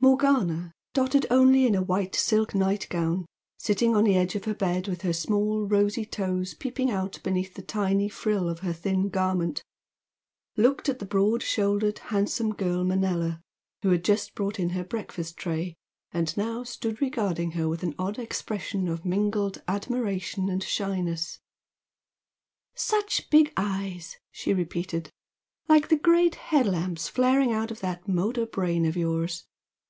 Morgana, dotted only in a white silk nightgown, sitting on the edge of her bed with her small rosy toes peeping out beneath the tiny frill of her thin garment, looked at the broad shouldered handsome girl Manella who had just brought in her breakfast tray and now stood regarding her with an odd expression of mingled admiration and shyness. "Such big eyes!" she repeated "Like great head lamps flaring out of that motor brain of yours!